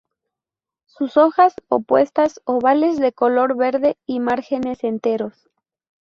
Sus hojas, opuestas, ovales de color verde y márgenes enteros.